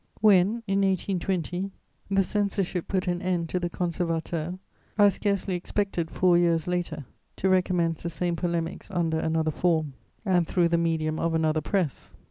When, in 1820, the censorship put an end to the Conservateur, I scarcely expected, four years later, to recommence the same polemics under another form and through the medium of another press.